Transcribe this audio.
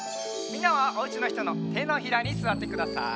みんなはおうちのひとのてのひらにすわってください。